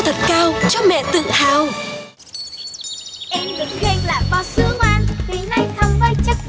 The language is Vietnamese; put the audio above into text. em được khen là bò sứa ngoan vì nay không có chất bảo quản